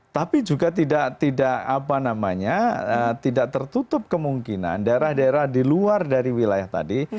tapi juga tidak tidak apa namanya tidak tertutup kemungkinan daerah daerah di luar dari wilayah tadi